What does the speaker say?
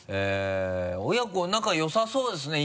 親子仲よさそうですね